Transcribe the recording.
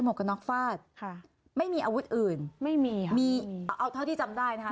กระน็อกฟาดค่ะไม่มีอาวุธอื่นไม่มีค่ะมีเอาเท่าที่จำได้นะคะ